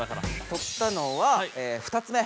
とったのは２つ目。